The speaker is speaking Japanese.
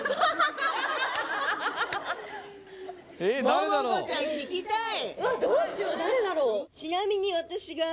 桃子ちゃん聞きたい？